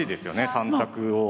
３択を。